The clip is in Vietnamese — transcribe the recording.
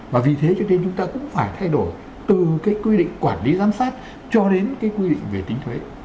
và vì thế cho nên chúng ta cũng phải thay đổi từ cái quy định quản lý giám sát cho đến cái quy định về tính thuế